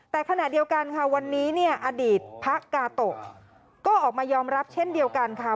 แต่ขณะเดียวกันค่ะวันนี้เนี่ยอดีตพระกาโตะก็ออกมายอมรับเช่นเดียวกันค่ะ